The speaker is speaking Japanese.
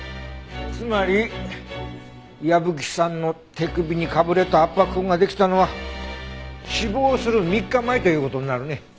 つまり矢吹さんの手首にかぶれと圧迫痕ができたのは死亡する３日前という事になるね。